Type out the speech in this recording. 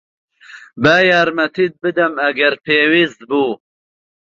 با یارمەتیت بدەم، ئەگەر پێویست بوو.